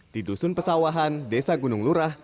di dusun pesawahan desa gunung lurah